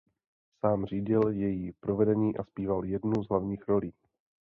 Sám řídil její provedení a zpíval jednu z hlavních rolí.